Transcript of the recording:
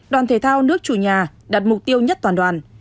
đoàn thể thao nước chủ nhà đặt mục tiêu nhất toàn đoàn